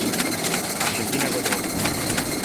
Arxentina goleou.